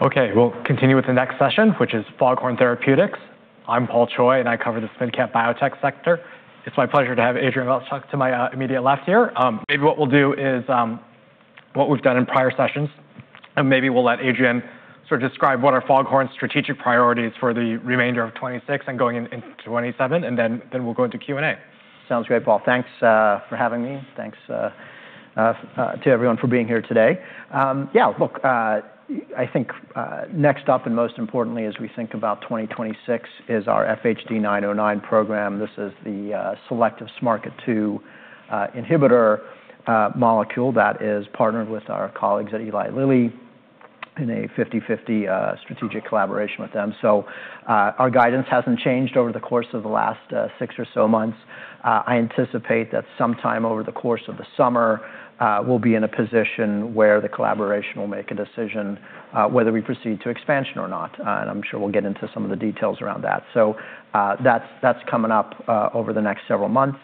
Okay, we'll continue with the next session, which is Foghorn Therapeutics. I'm Paul Choi, and I cover the mid-cap biotech sector. It's my pleasure to have Adrian Gottschalk to my immediate left here. Maybe what we'll do is what we've done in prior sessions. Maybe we'll let Adrian sort of describe what are Foghorn's strategic priorities for the remainder of 2026 and going into 2027. Then we'll go into Q&A. Sounds great, Paul. Thanks for having me. Thanks to everyone for being here today. Yeah, look, I think next up, most importantly as we think about 2026, is our FHD-909 program. This is the selective SMARCA2 inhibitor molecule that is partnered with our colleagues at Eli Lilly in a 50/50 strategic collaboration with them. Our guidance hasn't changed over the course of the last six or so months. I anticipate that sometime over the course of the summer, we'll be in a position where the collaboration will make a decision whether we proceed to expansion or not. I'm sure we'll get into some of the details around that. That's coming up over the next several months.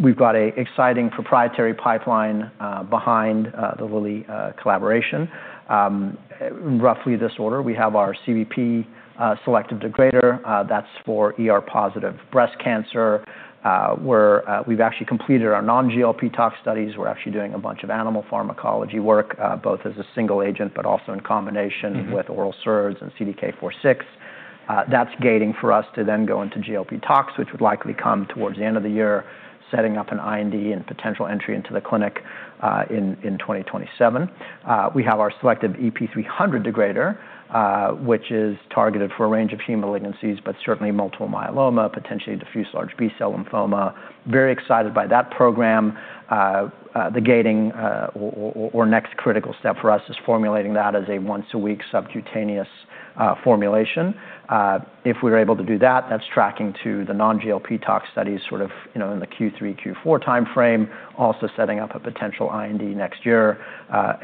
We've got an exciting proprietary pipeline behind the Lilly collaboration. Roughly this order, we have our CBP selective degrader. That's for ER-positive breast cancer, where we've actually completed our non-GLP tox studies. We're actually doing a bunch of animal pharmacology work, both as a single agent but also in combination with oral SERDs and CDK4/6. That's gating for us to then go into GLP tox, which would likely come towards the end of the year, setting up an IND and potential entry into the clinic in 2027. We have our selective EP300 degrader, which is targeted for a range of human malignancies, but certainly multiple myeloma, potentially diffuse large B-cell lymphoma. Very excited by that program. The gating or next critical step for us is formulating that as a once-a-week subcutaneous formulation. If we're able to do that's tracking to the non-GLP tox studies sort of in the Q3, Q4 timeframe, also setting up a potential IND next year.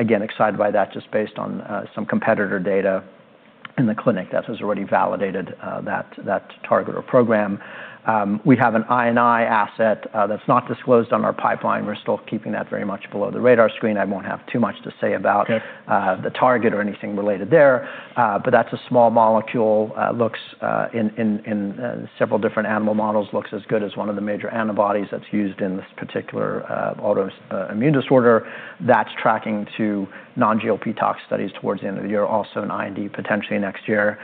Again, excited by that just based on some competitor data in the clinic that has already validated that target or program. We have an I&I asset that's not disclosed on our pipeline. We're still keeping that very much below the radar screen. I won't have too much to say about- Okay ...the target or anything related there, that's a small molecule, in several different animal models, looks as good as one of the major antibodies that's used in this particular autoimmune disorder. That's tracking to non-GLP tox studies towards the end of the year, also an IND potentially next year.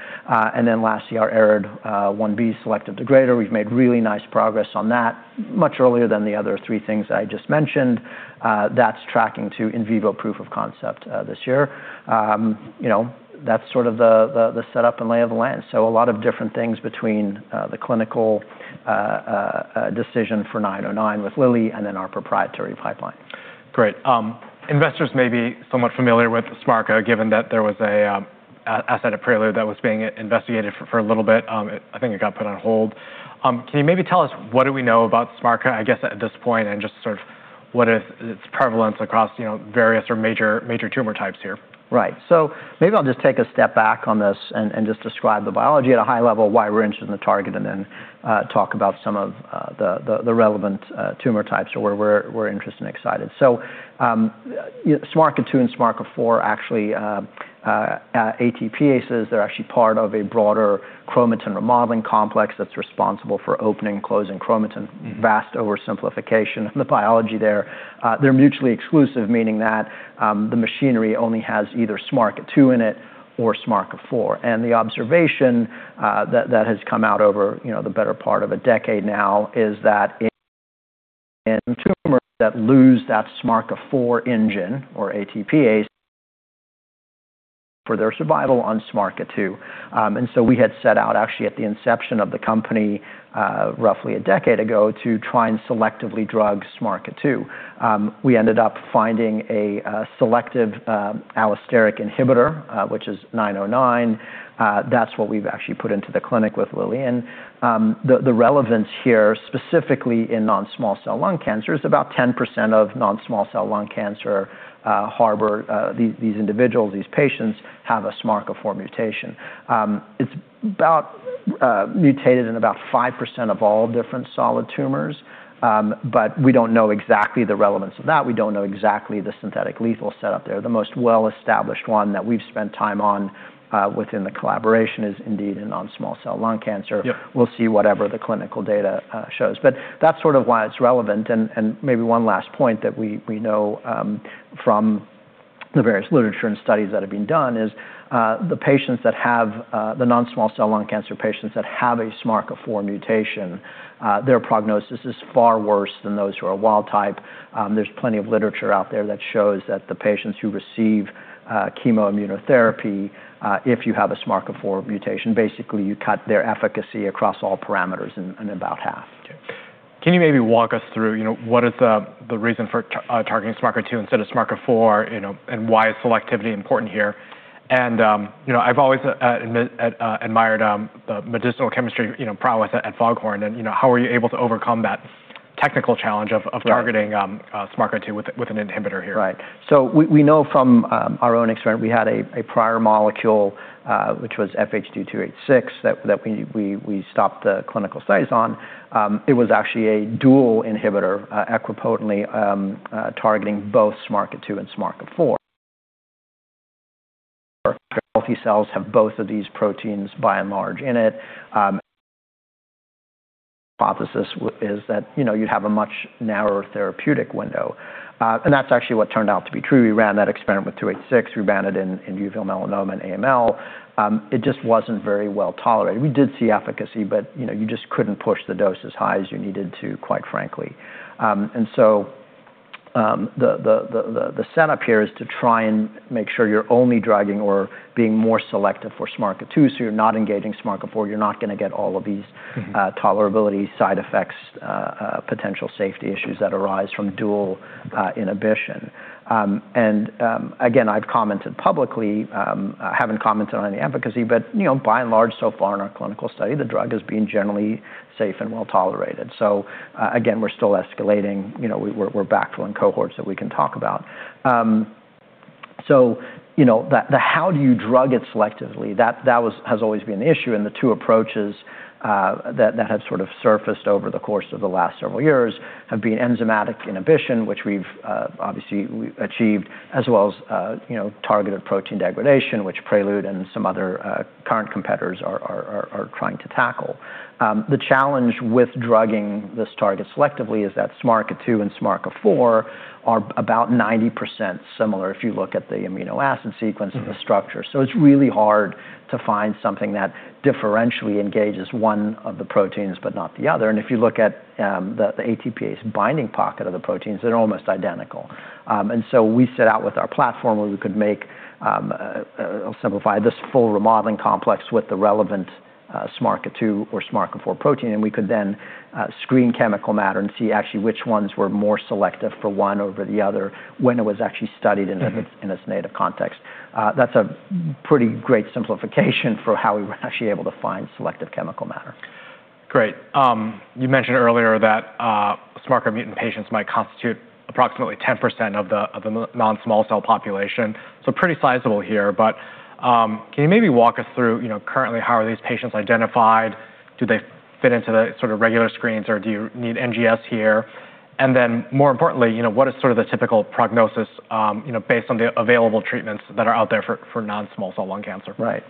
Lastly, our ARID1B selective degrader. We've made really nice progress on that, much earlier than the other three things that I just mentioned. That's tracking to in vivo proof of concept this year. That's sort of the setup and lay of the land. A lot of different things between the clinical decision for FHD-909 with Lilly and then our proprietary pipeline. Great. Investors may be somewhat familiar with SMARCA given that there was an asset at Prelude that was being investigated for a little bit. I think it got put on hold. Can you maybe tell us what do we know about SMARCA, I guess, at this point and just sort of what is its prevalence across various or major tumor types here? Right. Maybe I'll just take a step back on this and just describe the biology at a high level, why we're interested in the target, talk about some of the relevant tumor types where we're interested and excited. SMARCA2 and SMARCA4 are actually ATPases. They're actually part of a broader chromatin remodeling complex that's responsible for opening and closing chromatin. Vast oversimplification of the biology there. They're mutually exclusive, meaning that the machinery only has either SMARCA2 in it or SMARCA4. The observation that has come out over the better part of a decade now is that in tumors that lose that SMARCA4 engine or ATPase for their survival on SMARCA2, we had set out actually at the inception of the company roughly a decade ago to try and selectively drug SMARCA2. We ended up finding a selective allosteric inhibitor, which is FHD-909. That's what we've actually put into the clinic with Lilly. The relevance here, specifically in non-small cell lung cancer, is about 10% of non-small cell lung cancer harbor these individuals, these patients, have a SMARCA4 mutation. It's mutated in about 5% of all different solid tumors, we don't know exactly the relevance of that. We don't know exactly the synthetic lethal setup there. The most well-established one that we've spent time on within the collaboration is indeed in non-small cell lung cancer. Yeah. We'll see whatever the clinical data shows. That's sort of why it's relevant. Maybe one last point that we know from the various literature and studies that have been done is the non-small cell lung cancer patients that have a SMARCA4 mutation, their prognosis is far worse than those who are wild type. There's plenty of literature out there that shows that the patients who receive chemoimmunotherapy, if you have a SMARCA4 mutation, basically you cut their efficacy across all parameters in about half. Okay. Can you maybe walk us through what is the reason for targeting SMARCA2 instead of SMARCA4, why is selectivity important here? I've always admired the medicinal chemistry prowess at Foghorn, how are you able to overcome that technical challenge of- Yeah. ...targeting SMARCA2 with an inhibitor here? Right. We know from our own experiment, we had a prior molecule, which was FHD-286, that we stopped the clinical studies on. It was actually a dual inhibitor equipotently targeting both SMARCA2 and SMARCA4. Healthy cells have both of these proteins by and large in it. Our hypothesis is that you'd have a much narrower therapeutic window. That's actually what turned out to be true. We ran that experiment with FHD-286. We ran it in uveal melanoma and AML. It just wasn't very well-tolerated. We did see efficacy, you just couldn't push the dose as high as you needed to, quite frankly. The setup here is to try and make sure you're only drugging or being more selective for SMARCA2, so you're not engaging SMARCA4. You're not going to get all of these- ...tolerability side effects, potential safety issues that arise from dual inhibition. Again, I've commented publicly, I haven't commented on any efficacy, but by and large so far in our clinical study, the drug is being generally safe and well-tolerated. Again, we're still escalating. We're backfilling cohorts that we can talk about. How do you drug it selectively? That has always been an issue, and the two approaches that have sort of surfaced over the course of the last several years have been enzymatic inhibition, which we've obviously achieved, as well as targeted protein degradation, which Prelude and some other current competitors are trying to tackle. The challenge with drugging this target selectively is that SMARCA2 and SMARCA4 are about 90% similar if you look at the amino acid sequence of the structure. It's really hard to find something that differentially engages one of the proteins but not the other. If you look at the ATPase binding pocket of the proteins, they're almost identical. We set out with our platform where we could make, I'll simplify, this full remodeling complex with the relevant SMARCA2 or SMARCA4 protein, and we could then screen chemical matter and see actually which ones were more selective for one over the other when it was actually studied in- ...its native context. That's a pretty great simplification for how we were actually able to find selective chemical matter. Great. You mentioned earlier that SMARCA mutant patients might constitute approximately 10% of the non-small cell population, so pretty sizable here. Can you maybe walk us through currently how are these patients identified? Do they fit into the sort of regular screens, or do you need NGS here? More importantly, what is sort of the typical prognosis based on the available treatments that are out there for non-small cell lung cancer? Right.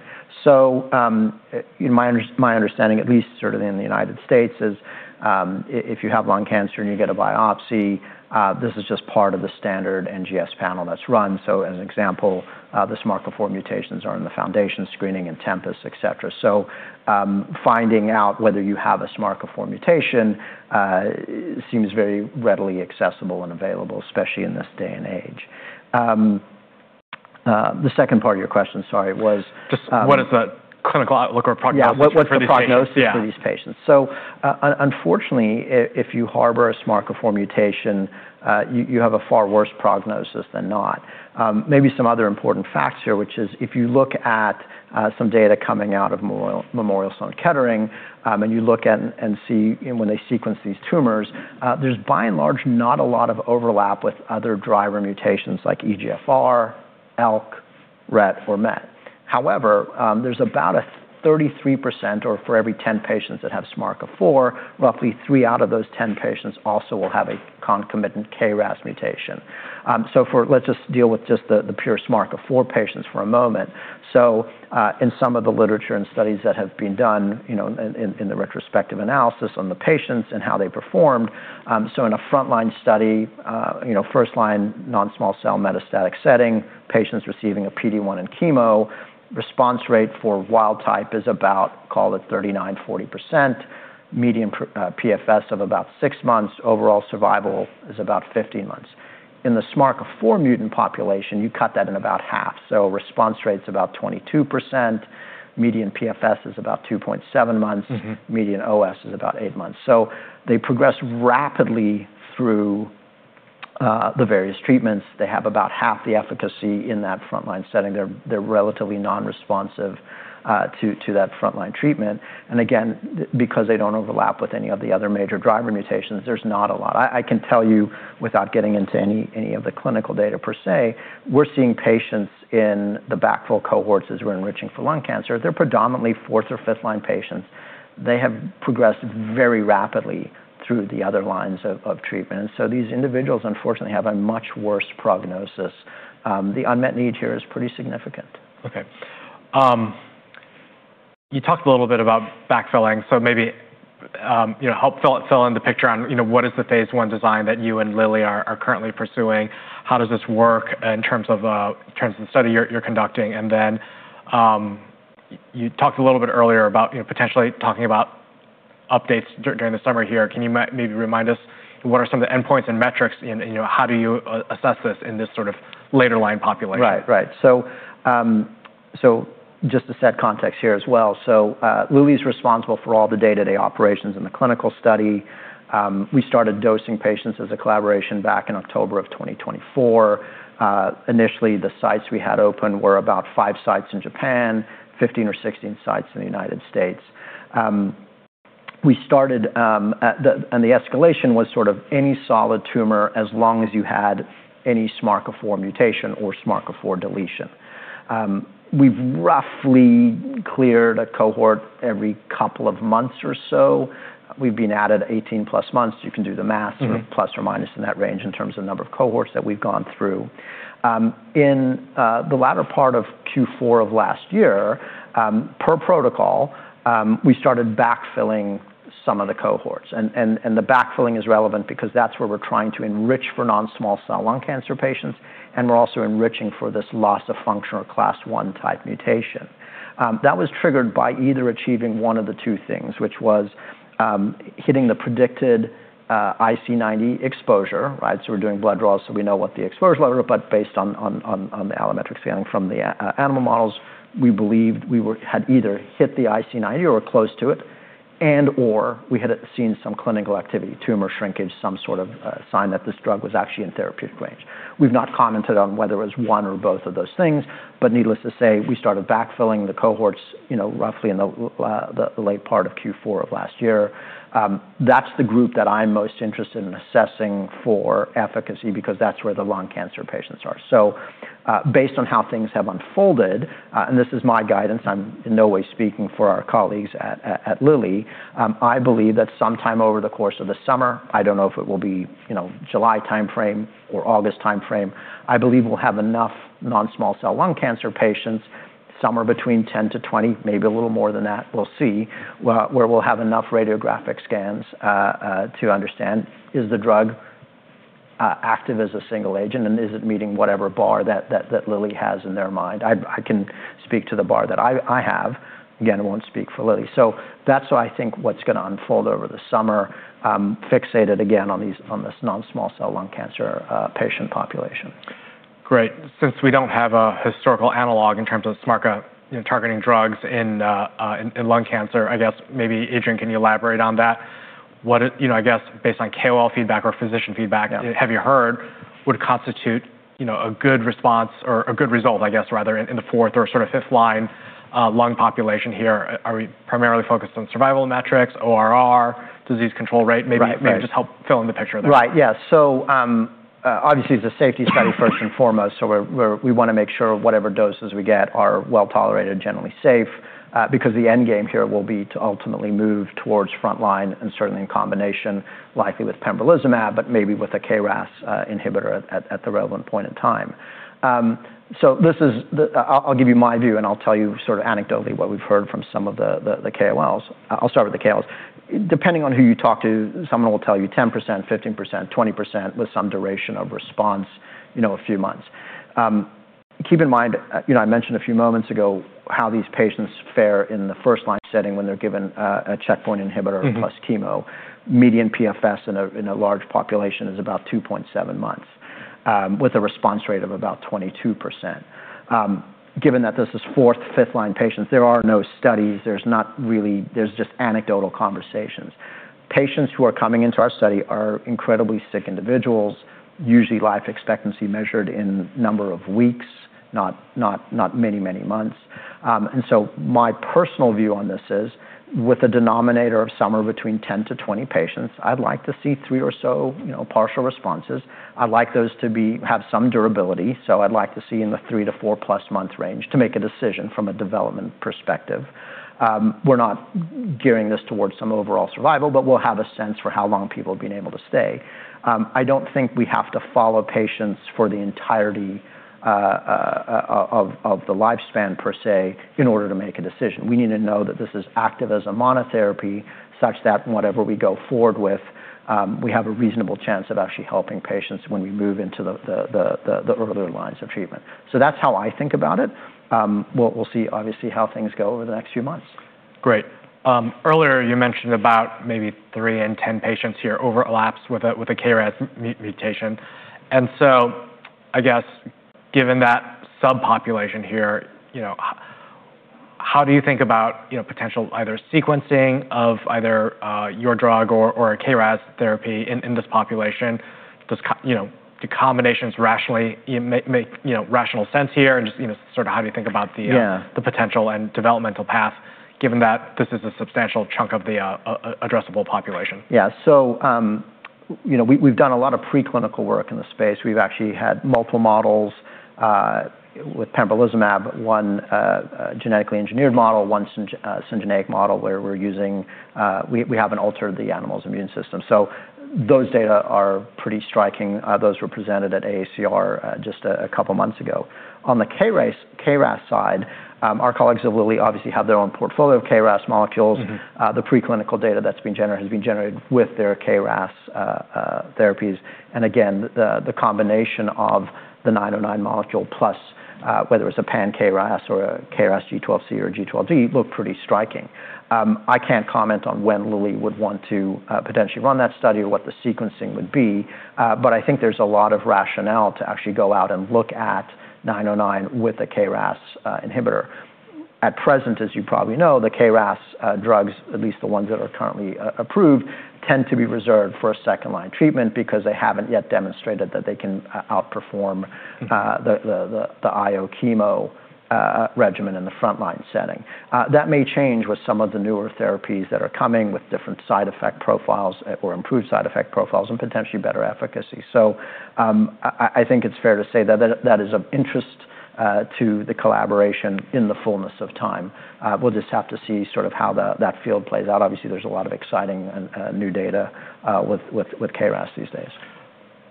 In my understanding at least, sort of in the United States is if you have lung cancer and you get a biopsy, this is just part of the standard NGS panel that's run. As an example, the SMARCA4 mutations are in the Foundation Screening and Tempus, et cetera. Finding out whether you have a SMARCA4 mutation seems very readily accessible and available, especially in this day and age. The second part of your question, sorry, was- Just what is the clinical outlook or prognosis for these patients? Yeah. What's the prognosis- Yeah ...for these patients? Unfortunately, if you harbor a SMARCA4 mutation, you have a far worse prognosis than not. Maybe some other important facts here, which is if you look at some data coming out of Memorial Sloan Kettering, and you look at and see when they sequence these tumors, there's by and large not a lot of overlap with other driver mutations like EGFR, ALK, RET, or MET. However, there's about a 33%, or for every 10 patients that have SMARCA4, roughly three out of those 10 patients also will have a concomitant KRAS mutation. Let's just deal with just the pure SMARCA4 patients for a moment. In some of the literature and studies that have been done in the retrospective analysis on the patients and how they performed, in a frontline study, first-line non-small cell metastatic setting, patients receiving a PD-1 and chemo response rate for wild-type is about, call it 39%-40%, median PFS of about six months. Overall survival is about 15 months. In the SMARCA4 mutant population, you cut that in about half, so response rate's about 22%. Median PFS is about 2.7 months. Median OS is about eight months. They progress rapidly through the various treatments. They have about half the efficacy in that frontline setting. They're relatively non-responsive to that frontline treatment. Again, because they don't overlap with any of the other major driver mutations, there's not a lot I can tell you without getting into any of the clinical data per se, we're seeing patients in the backfill cohorts as we're enriching for lung cancer. They're predominantly fourth- or fifth-line patients. They have progressed very rapidly through the other lines of treatment. These individuals, unfortunately, have a much worse prognosis. The unmet need here is pretty significant. Okay. You talked a little bit about backfilling, maybe help fill in the picture on what is the phase I design that you and Lilly are currently pursuing. How does this work in terms of the study you're conducting? Then you talked a little bit earlier about potentially talking about updates during the summer here. Can you maybe remind us what are some of the endpoints and metrics in how do you assess this in this sort of later line population? Right. Just to set context here as well, Lilly's responsible for all the day-to-day operations in the clinical study. We started dosing patients as a collaboration back in October of 2024. Initially, the sites we had open were about five sites in Japan, 15 or 16 sites in the U.S. The escalation was sort of any solid tumor, as long as you had any SMARCA4 mutation or SMARCA4 deletion. We've roughly cleared a cohort every couple of months or so. We've been at it 18+ months. You can do the math. Plus or minus in that range in terms of the number of cohorts that we've gone through. In the latter part of Q4 of last year, per protocol, we started backfilling some of the cohorts. The backfilling is relevant because that's where we're trying to enrich for non-small cell lung cancer patients, and we're also enriching for this loss-of-function or Class 1 type mutation. That was triggered by either achieving one of the two things, which was hitting the predicted IC90 exposure. We're doing blood draws, so we know what the exposure is, but based on the allometric scaling from the animal models, we believed we had either hit the IC90 or close to it, and/or we had seen some clinical activity, tumor shrinkage, some sort of sign that this drug was actually in therapeutic range. We've not commented on whether it was one or both of those things, needless to say, we started backfilling the cohorts roughly in the late part of Q4 of last year. That's the group that I'm most interested in assessing for efficacy because that's where the lung cancer patients are. Based on how things have unfolded, and this is my guidance, I'm in no way speaking for our colleagues at Lilly, I believe that sometime over the course of the summer, I don't know if it will be July timeframe or August timeframe, I believe we'll have enough non-small cell lung cancer patients, somewhere between 10-20, maybe a little more than that, we'll see, where we'll have enough radiographic scans to understand is the drug active as a single agent, and is it meeting whatever bar that Lilly has in their mind? I can speak to the bar that I have. Again, I won't speak for Lilly. That's why I think what's going to unfold over the summer, fixated again on this non-small cell lung cancer patient population. Great. Since we don't have a historical analog in terms of SMARCA targeting drugs in lung cancer, I guess maybe, Adrian, can you elaborate on that? I guess based on KOL feedback or physician feedback- Yeah. ...have you heard would constitute a good response or a good result, I guess, rather, in the fourth or sort of fifth-line lung population here? Are we primarily focused on survival metrics, ORR, disease control rate? Right. Maybe just help fill in the picture there. Right. Yeah. Obviously, it's a safety study first and foremost, so we want to make sure whatever doses we get are well-tolerated, generally safe, because the end game here will be to ultimately move towards front line and certainly in combination, likely with pembrolizumab, but maybe with a KRAS inhibitor at the relevant point in time. I'll give you my view, and I'll tell you sort of anecdotally what we've heard from some of the KOLs. I'll start with the KOLs. Depending on who you talk to, someone will tell you 10%, 15%, 20% with some duration of response, a few months. Keep in mind, I mentioned a few moments ago how these patients fare in the first-line setting when they're given a checkpoint inhibitor- ...plus chemo. Median PFS in a large population is about 2.7 months with a response rate of about 22%. Given that this is fourth, fifth-line patients, there are no studies. There's just anecdotal conversations. Patients who are coming into our study are incredibly sick individuals, usually life expectancy measured in number of weeks, not many, many months. My personal view on this is, with a denominator of somewhere between 10-20 patients, I'd like to see three or so partial responses. I'd like those to have some durability, so I'd like to see in the three to four plus-month range to make a decision from a development perspective. We're not gearing this towards some overall survival, but we'll have a sense for how long people have been able to stay. I don't think we have to follow patients for the entirety of the lifespan, per se, in order to make a decision. We need to know that this is active as a monotherapy, such that whatever we go forward with, we have a reasonable chance of actually helping patients when we move into the earlier lines of treatment. That's how I think about it. We'll see, obviously, how things go over the next few months. Great. Earlier you mentioned about maybe three in 10 patients here overlaps with a KRAS mutation. I guess given that subpopulation here, how do you think about potential either sequencing of either your drug or a KRAS therapy in this population? Do combinations rationally make rational sense here? Just sort of how do you think about the- Yeah ...the potential and developmental path, given that this is a substantial chunk of the addressable population? Yeah. We've done a lot of preclinical work in the space. We've actually had multiple models, with pembrolizumab, one genetically engineered model, one syngeneic model where we haven't altered the animal's immune system. Those data are pretty striking. Those were presented at AACR just a couple of months ago. On the KRAS side, our colleagues at Lilly obviously have their own portfolio of KRAS molecules. The preclinical data that's been generated has been generated with their KRAS therapies. Again, the combination of the FHD-909 molecule plus, whether it's a pan-KRAS or a KRAS G12C or G12D, look pretty striking. I can't comment on when Lilly would want to potentially run that study or what the sequencing would be. I think there's a lot of rationale to actually go out and look at FHD-909 with a KRAS inhibitor. At present, as you probably know, the KRAS drugs, at least the ones that are currently approved, tend to be reserved for a second-line treatment because they haven't yet demonstrated that they can outperform- ...the IO chemo regimen in the front-line setting. That may change with some of the newer therapies that are coming with different side effect profiles or improved side effect profiles and potentially better efficacy. I think it's fair to say that that is of interest to the collaboration in the fullness of time. We'll just have to see how that field plays out. Obviously, there's a lot of exciting and new data with KRAS these days.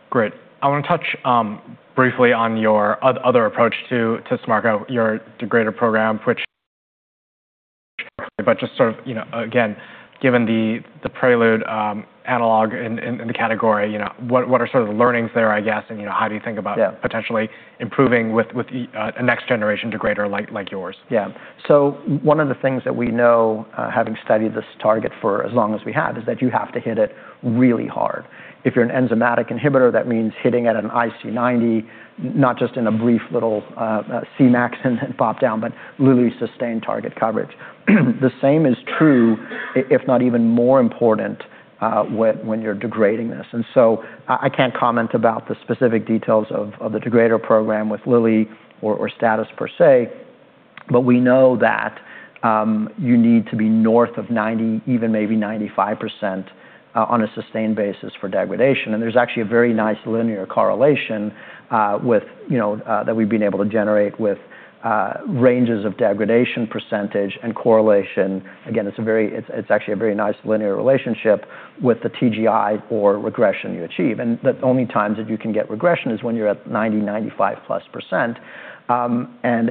Great. I want to touch briefly on your other approach to SMARCA, your degrader program, which just sort of, again, given the Prelude analog in the category, what are sort of the learnings there, I guess, and how do you think about- Yeah. ...potentially improving with a next generation degrader like yours? One of the things that we know, having studied this target for as long as we have, is that you have to hit it really hard. If you're an enzymatic inhibitor, that means hitting at an IC90, not just in a brief little Cmax and then pop down, but really sustain target coverage. The same is true, if not even more important, when you're degrading this. I can't comment about the specific details of the degrader program with Lilly or status per se, but we know that you need to be north of 90%, even maybe 95% on a sustained basis for degradation. There's actually a very nice linear correlation that we've been able to generate with ranges of degradation percentage and correlation. Again, it's actually a very nice linear relationship with the TGI or regression you achieve, the only times that you can get regression is when you're at 90%, 95%+.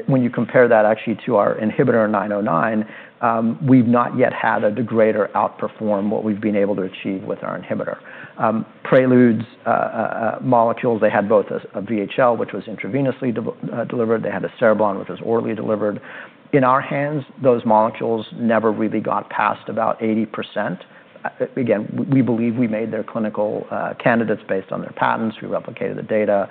When you compare that actually to our inhibitor FHD-909, we've not yet had a degrader outperform what we've been able to achieve with our inhibitor. Prelude's molecules, they had both a VHL, which was intravenously delivered. They had a cereblon, which was orally delivered. In our hands, those molecules never really got past about 80%. Again, we believe we made their clinical candidates based on their patents. We replicated the data.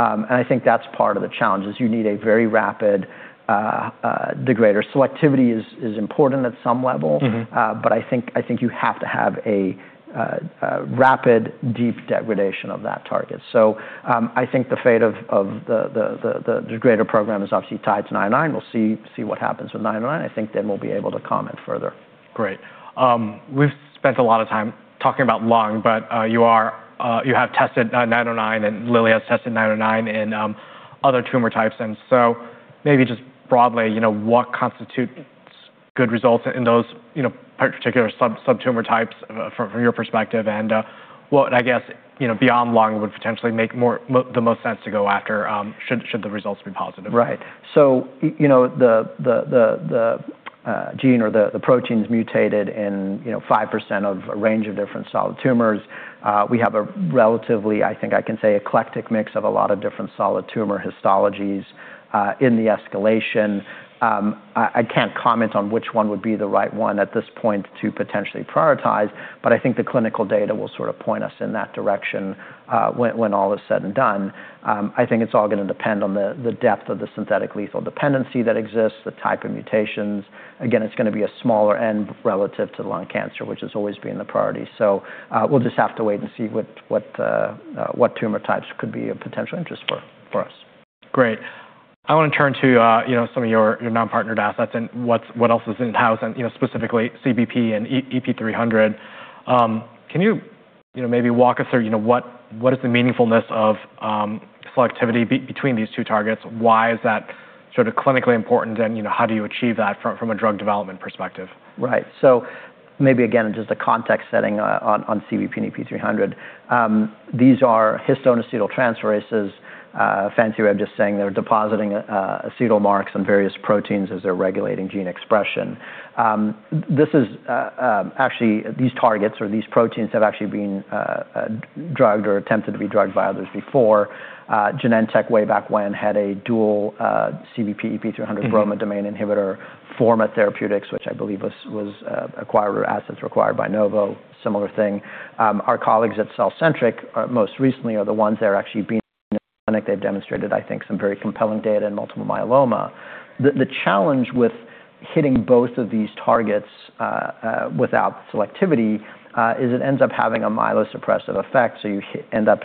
I think that's part of the challenge is you need a very rapid degrader. Selectivity is important at some level. I think you have to have a rapid, deep degradation of that target. I think the fate of the degrader program is obviously tied to FH-909. We'll see what happens with FH-909. I think then we'll be able to comment further. Great. We've spent a lot of time talking about lung, you have tested FH-909, and Lilly has tested Fh-909 in other tumor types. Maybe just broadly, what constitutes good results in those particular sub-tumor types from your perspective and what, I guess, beyond lung would potentially make the most sense to go after should the results be positive? Right. The gene or the proteins mutated in 5% of a range of different solid tumors, we have a relatively, I think I can say, eclectic mix of a lot of different solid tumor histologies in the escalation. I can't comment on which one would be the right one at this point to potentially prioritize, but I think the clinical data will sort of point us in that direction when all is said and done. I think it's all going to depend on the depth of the synthetic lethal dependency that exists, the type of mutations. Again, it's going to be a smaller end relative to lung cancer, which has always been the priority. We'll just have to wait and see what tumor types could be of potential interest for us. Great. I want to turn to some of your non-partnered assets and what else is in-house, and specifically CBP and EP300. Can you maybe walk us through what is the meaningfulness of selectivity between these two targets? Why is that sort of clinically important, and how do you achieve that from a drug development perspective? Right. Maybe again, just a context setting on CBP and EP300. These are histone acetyltransferases. A fancy way of just saying they're depositing acetyl marks on various proteins as they're regulating gene expression. Actually, these targets or these proteins have actually been drugged or attempted to be drugged by others before. Genentech way back when had a dual CBP EP300- ...bromodomain inhibitor Forma Therapeutics, which I believe was acquired or assets acquired by Novo, similar thing. Our colleagues at CellCentric most recently are the ones that are actually being in the clinic. They've demonstrated, I think, some very compelling data in multiple myeloma. The challenge with hitting both of these targets without selectivity is it ends up having a myelosuppressive effect, you end up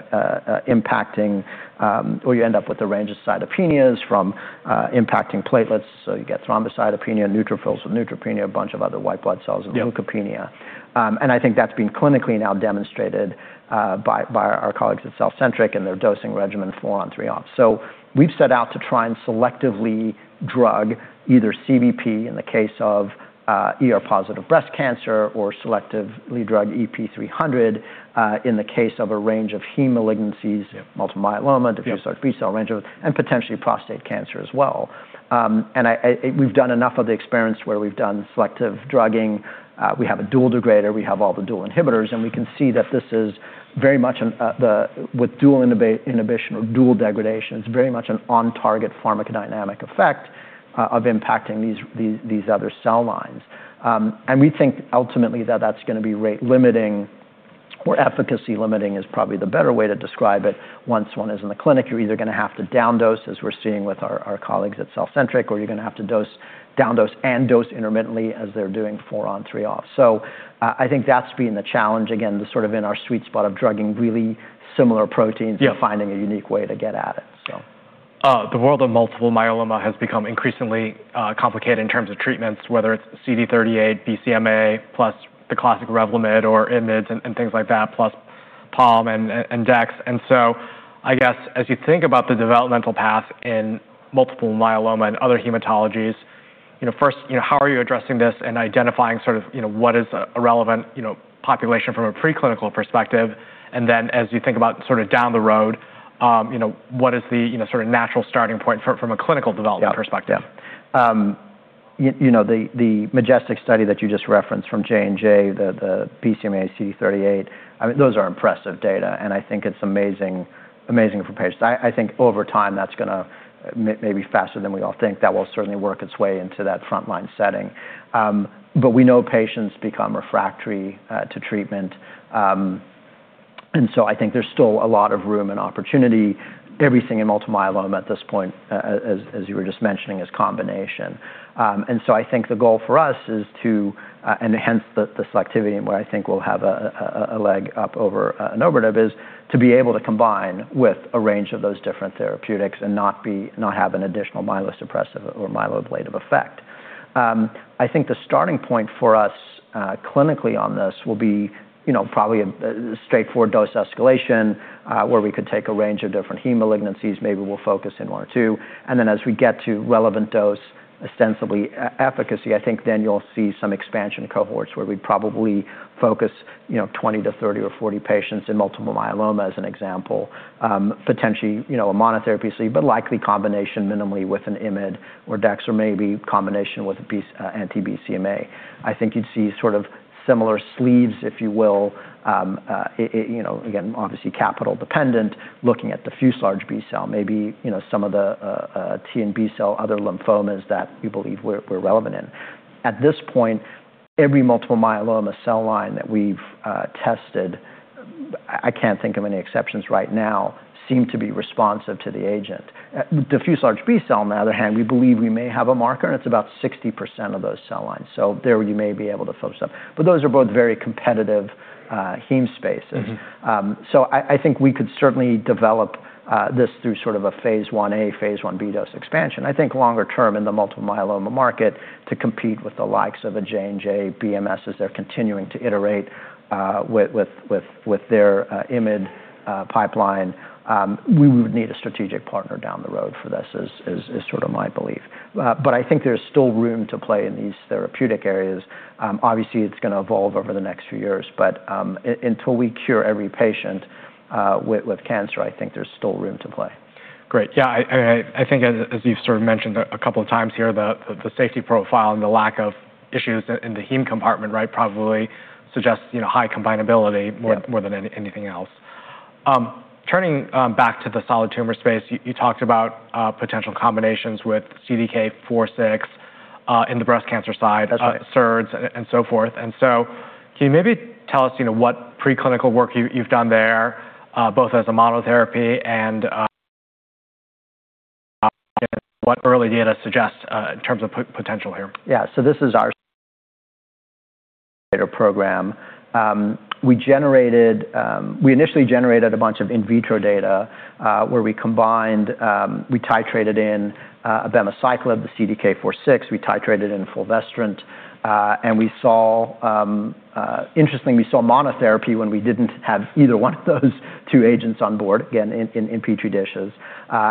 with a range of cytopenias from impacting platelets, so you get thrombocytopenia, neutrophils with neutropenia, a bunch of other white blood cells- Yeah ...with leukopenia. I think that's been clinically now demonstrated by our colleagues at CellCentric and their dosing regimen four on, three off. We've set out to try and selectively drug either CBP in the case of ER-positive breast cancer or selectively drug EP300 in the case of a range of heme malignancies- Yeah. ...multiple myeloma- Yeah. ...different sorts of B-cell range, and potentially prostate cancer as well. We've done enough of the experiments where we've done selective drugging. We have a dual degrader, we have all the dual inhibitors, we can see that this is very much with dual inhibition or dual degradation, it's very much an on-target pharmacodynamic effect of impacting these other cell lines. We think ultimately that that's going to be rate limiting or efficacy limiting is probably the better way to describe it. Once one is in the clinic, you're either going to have to down dose, as we're seeing with our colleagues at CellCentric, or you're going to have to down dose and dose intermittently as they're doing four on, three off. I think that's been the challenge, again, the sort of in our sweet spot of drugging really similar proteins- Yeah. ...finding a unique way to get at it, so. The world of multiple myeloma has become increasingly complicated in terms of treatments, whether it's CD38, BCMA, plus the classic REVLIMID or IMiDs and things like that, plus Pom/Dex. I guess, as you think about the developmental path in multiple myeloma and other hematologies, first, how are you addressing this and identifying what is a relevant population from a preclinical perspective? As you think about down the road, what is the natural starting point from a clinical development perspective? Yeah. The MajesTEC study that you just referenced from J&J, the BCMA CD38, those are impressive data, and I think it's amazing for patients. I think over time, maybe faster than we all think, that will certainly work its way into that frontline setting. We know patients become refractory to treatment, I think there's still a lot of room and opportunity. Everything in multiple myeloma at this point, as you were just mentioning, is combination. I think the goal for us is to enhance the selectivity and where I think we'll have a leg up over an overnight dose, is to be able to combine with a range of those different therapeutics and not have an additional myelosuppressive or myeloablative effect. I think the starting point for us clinically on this will be probably a straightforward dose escalation, where we could take a range of different heme malignancies, maybe we'll focus in one or two, then as we get to relevant dose, ostensibly efficacy, I think then you'll see some expansion cohorts where we'd probably focus 20-30 or 40 patients in multiple myeloma, as an example. Potentially, a monotherapy C, but likely combination minimally with an IMiD or dex or maybe combination with an anti-BCMA. I think you'd see sort of similar sleeves, if you will. Again, obviously capital dependent, looking at diffuse large B-cell, maybe some of the T and B-cell, other lymphomas that we believe we're relevant in. At this point, every multiple myeloma cell line that we've tested, I can't think of any exceptions right now, seem to be responsive to the agent. Diffuse large B-cell, on the other hand, we believe we may have a marker, and it's about 60% of those cell lines. There you may be able to focus on, those are both very competitive heme spaces. I think we could certainly develop this through sort of a phase I-A, phase I-B dose expansion. I think longer term in the multiple myeloma market to compete with the likes of a J&J, BMS, as they're continuing to iterate with their IMiD pipeline, we would need a strategic partner down the road for this, is sort of my belief. I think there's still room to play in these therapeutic areas. Obviously, it's going to evolve over the next few years, but until we cure every patient with cancer, I think there's still room to play. Great. Yeah, I think as you've sort of mentioned a couple of times here, the safety profile and the lack of issues in the heme compartment probably suggests high combinability- Yeah. ...more than anything else. Turning back to the solid tumor space, you talked about potential combinations with CDK4/6 in the breast cancer side- That's right. ...SERDs and so forth. Can you maybe tell us what preclinical work you've done there, both as a monotherapy and what early data suggests in terms of potential here? Yeah. This is our program. We initially generated a bunch of in vitro data, where we titrated in abemaciclib, the CDK4/6, we titrated in fulvestrant. Interestingly, we saw monotherapy when we didn't have either one of those two agents on board, again, in Petri dishes.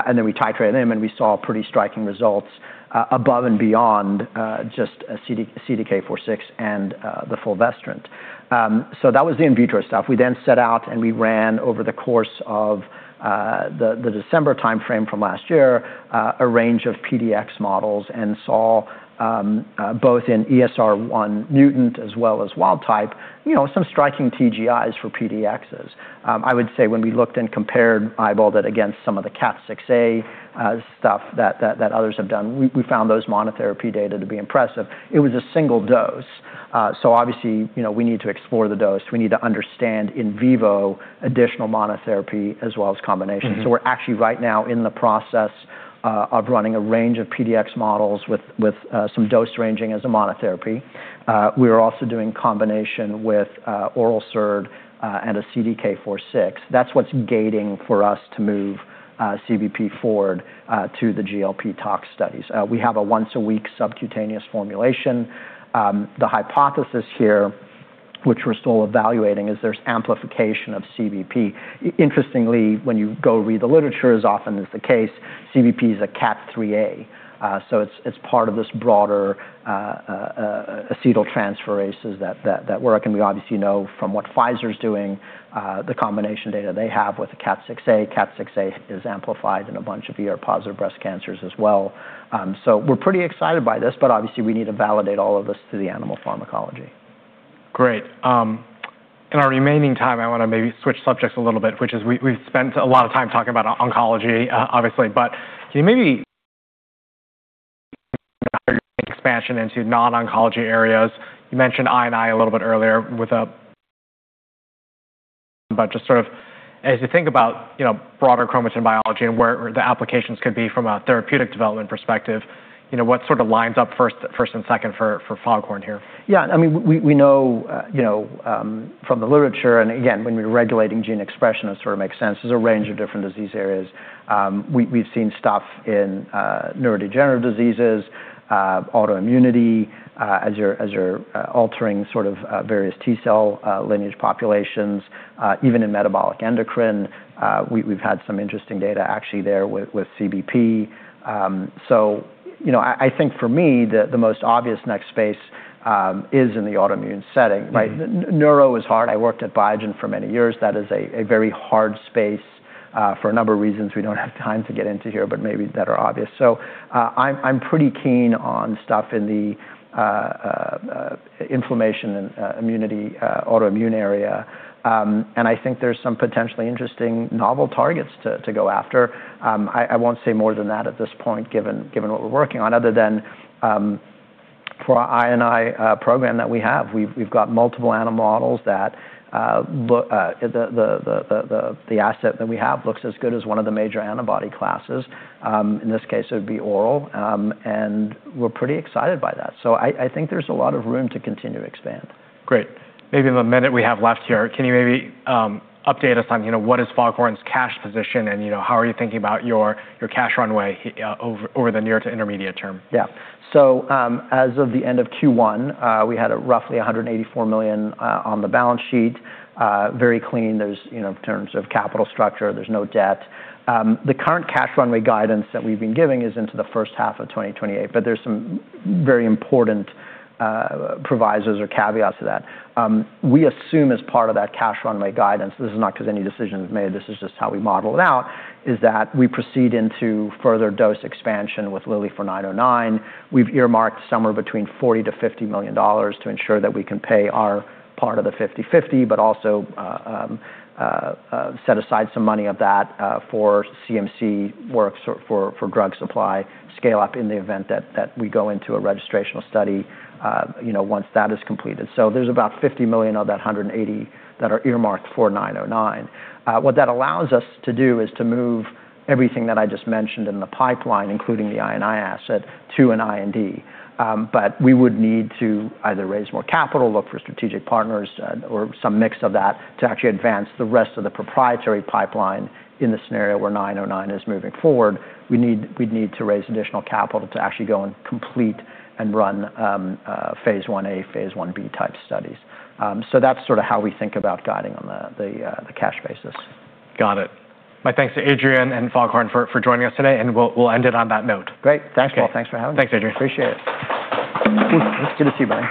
Then we titrate them, and we saw pretty striking results above and beyond just CDK4/6 and the fulvestrant. That was the in vitro stuff. We set out and we ran over the course of the December timeframe from last year, a range of PDX models and saw both in ESR1 mutant as well as wild type, some striking TGIs for PDXs. I would say when we looked and compared, eyeballed it against some of the KAT6A stuff that others have done, we found those monotherapy data to be impressive. It was a single dose, obviously, we need to explore the dose. We need to understand in vivo additional monotherapy as well as combinations. We're actually right now in the process of running a range of PDX models with some dose ranging as a monotherapy. We are also doing combination with oral SERD and a CDK4/6. That's what's gating for us to move CBP forward to the GLP tox studies. We have a once-a-week subcutaneous formulation. The hypothesis here, which we're still evaluating, is there's amplification of CBP. Interestingly, when you go read the literature, as often is the case, CBP is a KAT3A, it's part of this broader acetyltransferases that work, and we obviously know from what Pfizer's doing, the combination data they have with the KAT6A. KAT6A is amplified in a bunch of ER-positive breast cancers as well. We're pretty excited by this, obviously, we need to validate all of this through the animal pharmacology. Great. In our remaining time, I want to maybe switch subjects a little bit, which is we've spent a lot of time talking about oncology, obviously, but can you maybe expansion into non-oncology areas? You mentioned I&I a little bit earlier with just sort of as you think about broader chromatin biology and where the applications could be from a therapeutic development perspective, what sort of lines up first and second for Foghorn here? Yeah, we know from the literature. Again, when we're regulating gene expression, it sort of makes sense. There's a range of different disease areas. We've seen stuff in neurodegenerative diseases, autoimmunity, as you're altering sort of various T cell lineage populations, even in metabolic endocrine. We've had some interesting data actually there with CBP. I think for me, the most obvious next space is in the autoimmune setting, right? Neuro is hard. I worked at Biogen for many years. That is a very hard space for a number of reasons we don't have time to get into here, but maybe that are obvious. I'm pretty keen on stuff in the inflammation and immunity, autoimmune area. I think there's some potentially interesting novel targets to go after. I won't say more than that at this point, given what we're working on, other than for our I&I program that we have. We've got multiple animal models that the asset that we have looks as good as one of the major antibody classes. In this case, it would be oral. We're pretty excited by that. I think there's a lot of room to continue to expand. Great. Maybe in the minute we have left here, can you maybe update us on what is Foghorn's cash position and how are you thinking about your cash runway over the near to intermediate term? As of the end of Q1, we had roughly $184 million on the balance sheet. Very clean. There's terms of capital structure, there's no debt. The current cash runway guidance that we've been giving is into the first half of 2028, there's some very important provisos or caveats to that. We assume as part of that cash runway guidance, this is not because any decision is made, this is just how we model it out, is that we proceed into further dose expansion with Lilly for FHD-909. We've earmarked somewhere between $40 million to $50 million to ensure that we can pay our part of the 50/50, also set aside some money of that for CMC work, for drug supply scale-up in the event that we go into a registrational study once that is completed. There's about $50 million of that $180 that are earmarked for FHD-909. What that allows us to do is to move everything that I just mentioned in the pipeline, including the I&I asset, to an IND. We would need to either raise more capital, look for strategic partners or some mix of that to actually advance the rest of the proprietary pipeline in the scenario where FHD-909 is moving forward. We'd need to raise additional capital to actually go and complete and run phase I-A, phase I-B type studies. That's sort of how we think about guiding on the cash basis. Got it. My thanks to Adrian and Foghorn for joining us today, we'll end it on that note. Great. Thanks, Paul. Thanks for having me. Thanks, Adrian. Appreciate it. Good to see you, buddy.